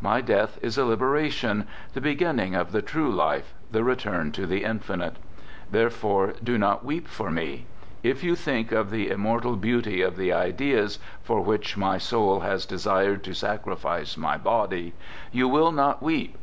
My death is a liberation, the beginning of the true life, the return to the Infinite. There fore, do not weep for me. If you think of the im mortal beauty of the Ideas for which my soul has desired to sacrifice my body, you will not weep.